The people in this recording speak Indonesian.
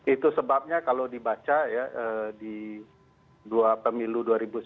itu sebabnya kalau dibaca ya di dua pemilu dua ribu sembilan belas